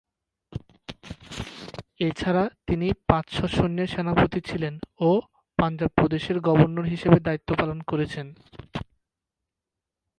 এছাড়া তিনি পাঁচশ সৈন্যের সেনাপতি ছিলেন ও পাঞ্জাব প্রদেশের গভর্নর হিসেবে দায়িত্ব পালন করেছেন।